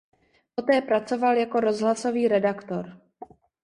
Poté pracoval jako rozhlasový redaktor.